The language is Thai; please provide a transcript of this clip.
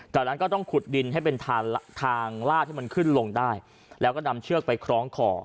จากนั้นก็ต้องขุดดินให้เป็นทางลาดให้มันขึ้นลงได้แล้วก็นำเชือกไปคล้องคอ